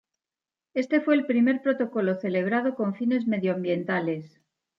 Este fue el primer protocolo celebrado con fines medioambientales.